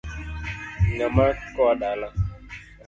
Ngama kowa dala ?